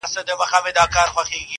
پر خړه مځکه به یې سیوري نه وي٫